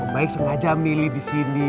baik sengaja milih disini